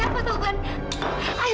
cepat tawarin taufan makan